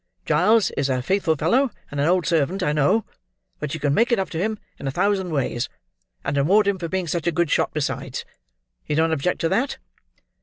Giles is a faithful fellow and an old servant, I know; but you can make it up to him in a thousand ways, and reward him for being such a good shot besides. You don't object to that?"